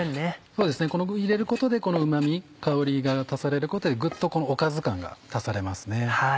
そうですね入れることでうま味香りが足されることでぐっとおかず感が足されますね。